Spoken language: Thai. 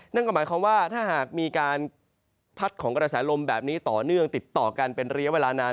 นั่นก็หมายความว่าถ้าหากมีการพัดของกระแสลมแบบนี้ต่อเนื่องติดต่อกันเป็นระยะเวลานาน